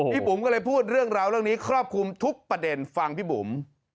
บุ๋มก็เลยพูดเรื่องราวเรื่องนี้ครอบคลุมทุกประเด็นฟังพี่บุ๋ม